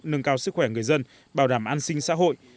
nâng cao sức khỏe người dân bảo đảm an sinh xã hội